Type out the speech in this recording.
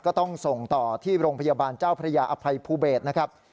ก็ต้องส่งต่อที่โรงพยาบาลเจ้าพระยาอภัยภูเบศนะครับ